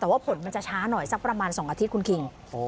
แต่ว่าผลมันจะช้าหน่อยสักประมาณ๒อาทิตย์คุณคิง